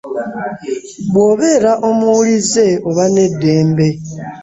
W'obeera omuwulizze oba n'eddembe.